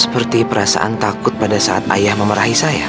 seperti perasaan takut pada saat ayah memerahi saya